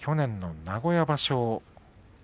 去年の名古屋場所